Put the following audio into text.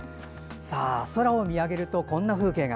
空を見あげると、こんな風景が。